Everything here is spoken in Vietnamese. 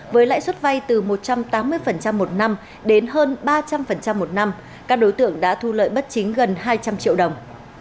với lãi suất vay từ một trăm tám mươi một năm đến hơn ba trăm linh một năm các đối tượng đã thu lợi bất chính gần hai trăm linh triệu đồng